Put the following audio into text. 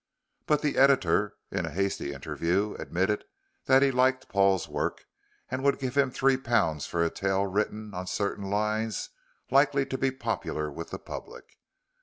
But the editor, in a hasty interview, admitted that he liked Paul's work and would give him three pounds for a tale written on certain lines likely to be popular with the public.